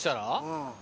うん。